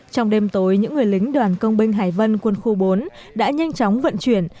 trong đêm tối những người lính đoàn công binh hải vân quân khu bốn đã nhanh chóng vận chuyển